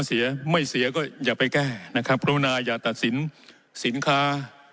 เสียไม่เสียก็อย่าไปแก้นะครับกรุณาอย่าตัดสินสินค้า